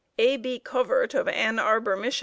A. B. Covert of Ann Arbor, Mich.